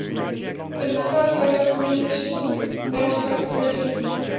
It serves that community and Saukville.